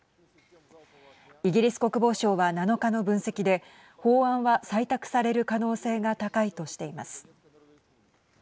イギリス国防省は、７日の分析で法案は、採択される可能性が高いとしています。